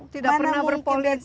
tidak pernah berpolitik